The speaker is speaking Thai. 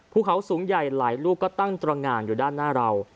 ภูเขาสูงใหญ่หลายลูกก็ตั้งตรงานอยู่ด้านหน้าเรา